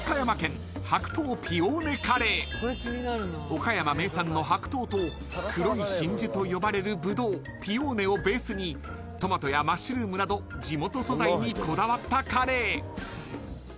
［岡山名産の白桃と黒い真珠と呼ばれるブドウピオーネをベースにトマトやマッシュルームなど地元素材にこだわったカレー］